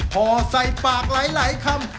พอใส่ปากหลายคำ